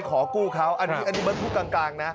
ขอกู้เขาอันนี้เบิร์ตพูดกลางนะ